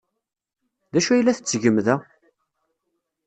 D acu ay la tettgem da?